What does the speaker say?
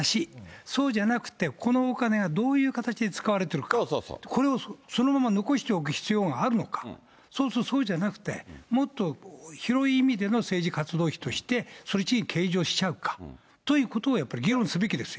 そうじゃなくて、このお金がどういう形で使われてるか、これをそのまま残しておく必要があるのか、そうすると、そうじゃなくて、もっと広い意味での政治活動費としてそっちに計上しちゃうか、ということをやっぱり議論すべきですよ。